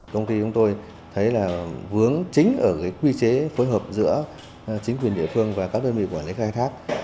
công ty chúng tôi thấy là vướng chính ở quy chế phối hợp giữa chính quyền địa phương và các đơn vị quản lý khai thác